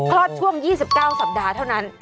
อดช่วง๒๙สัปดาห์เท่านั้น